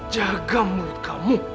jaga mulut kamu